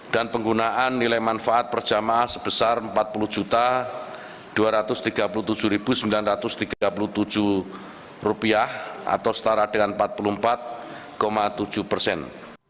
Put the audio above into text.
dan penggunaan nilai manfaat per jemaah sebesar rp empat puluh dua ratus tiga puluh tujuh sembilan ratus tiga puluh tujuh atau setara dengan empat puluh empat tujuh persen